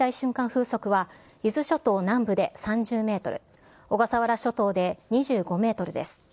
風速は、伊豆諸島南部で３０メートル、小笠原諸島で２５メートルです。